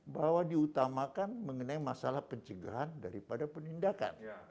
bahwa diutamakan mengenai masalah pencegahan daripada penindakan